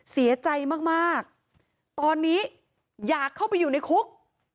เสียใจมากตอนนี้อยากเข้าไปอยู่ในคุก